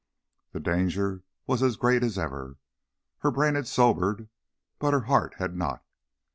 The danger was as great as ever. Her brain had sobered, but her heart had not.